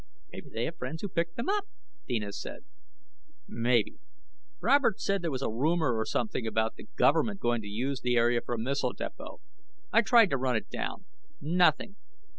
"Maybe they have friends who pick them up," Deena said. "Maybe. Robert also said there was a rumor or something about the government going to use the area for a missile depot. I tried to run it down. Nothing."